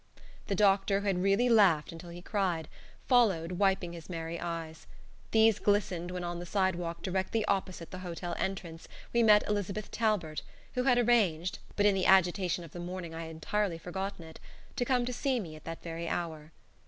The doctor, who had really laughed until he cried, followed, wiping his merry eyes. These glistened when on the sidewalk directly opposite the hotel entrance we met Elizabeth Talbert, who had arranged, but in the agitation of the morning I had entirely forgotten it, to come to see me at that very hour.